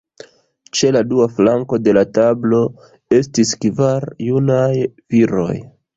Ĉe la dua flanko de la tablo estis kvar junaj viroj.